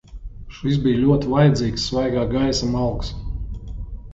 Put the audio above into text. Šis bija ļoti vajadzīgs svaigā gaisa malks.